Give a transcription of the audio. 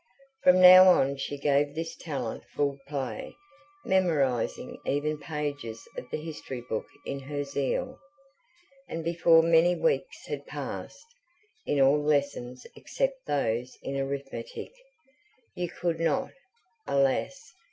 From now on she gave this talent full play, memorising even pages of the history book in her zeal; and before many weeks had passed, in all lessons except those in arithmetic you could not, alas!